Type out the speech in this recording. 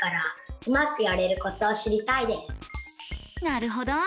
なるほど。